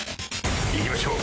行きましょう。